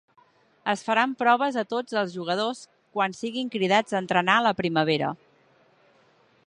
Es faran proves a tots els jugadors quan siguin cridats a entrenar la primavera.